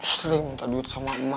sering minta duit sama emak